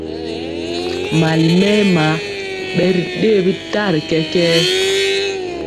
Mali mɛma bɛ ri dɛyɛ tari kɛkɛɛ.